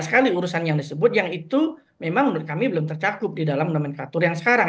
sekali urusan yang disebut yang itu memang menurut kami belum tercakup di dalam nomenklatur yang sekarang